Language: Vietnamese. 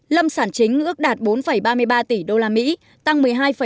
lâm sản chính ước đạt bốn ba mươi ba tỷ usd tăng một mươi hai